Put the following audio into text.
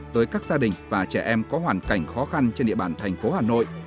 tới các gia đình và trẻ em có hoàn cảnh khó khăn trên địa bàn thành phố hà nội